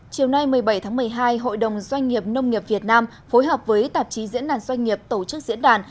chiều nay một mươi bảy tháng một mươi hai hội đồng doanh nghiệp nông nghiệp việt nam phối hợp với tạp chí diễn đàn doanh nghiệp tổ chức diễn đàn